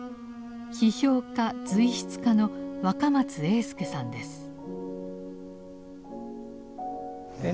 批評家随筆家の若松英輔さんです。